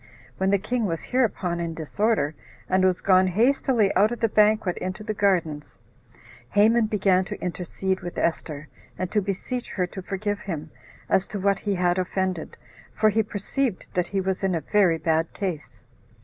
When the king was hereupon in disorder, and was gone hastily out of the banquet into the gardens, Haman began to intercede with Esther, and to beseech her to forgive him, as to what he had offended, for he perceived that he was in a very bad case.